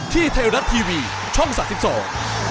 ที่เทลด๊อตทีวีช่องสาธิตส่วน